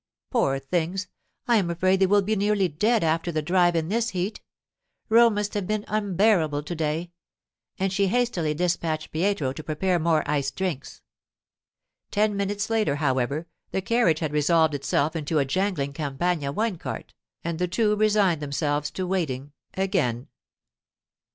Poor things! I am afraid they will be nearly dead after the drive in this heat. Rome must have been unbearable to day.' And she hastily dispatched Pietro to prepare more iced drinks. Ten minutes later, however, the carriage had resolved itself into a jangling Campagna wine cart, and the two resigned themselves to waiting again.